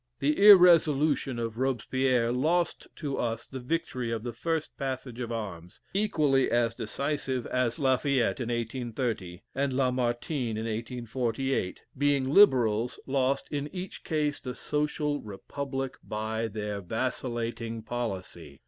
The irresolution of Robespierre lost to us the victory of the first passage of arms, equally as decisive as Lafayette in 1830, and Lamartine in 1848, being Liberals, lost in each case the social Republic by their vacillating policy.